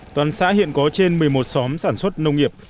toàn xã hiện có trên một mươi một xóm sản xuất nông nghiệp